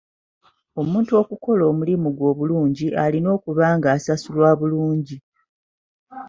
Omuntu okukola omulimu gwe obulungi, alina okuba nga asasulwa bulungi.